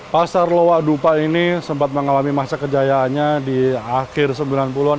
pasar lowak dupa ini sempat mengalami masa kejayaannya di akhir sembilan puluh an